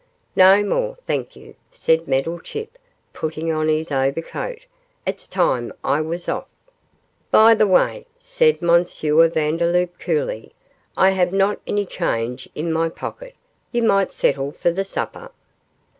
'No more, thank you,' said Meddlechip, putting on his overcoat. 'It's time I was off.' 'By the way,' said M. Vandeloup, coolly, 'I have not any change in my pocket; you might settle for the supper.